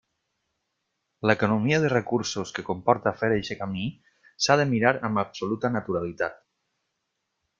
L'economia de recursos que comporta fer eixe camí s'ha de mirar amb absoluta naturalitat.